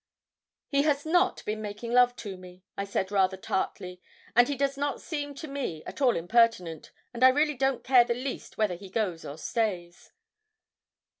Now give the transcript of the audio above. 'He has not been making love to me,' I said rather tartly, 'and he does not seem to me at all impertinent, and I really don't care the least whether he goes or stays.'